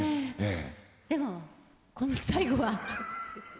でもこの最後は。